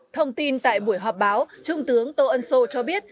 thông tin tại buổi họp báo trung tướng tô ân sô cho biết